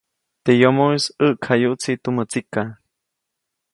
Teʼ yomoʼis ʼäʼkjayuʼtsi tumä tsikaʼ.